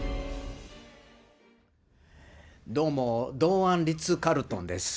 どうも、堂安律カールトンです。